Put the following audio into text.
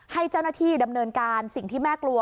ให้เจ้าหน้าที่ดำเนินการสิ่งที่แม่กลัว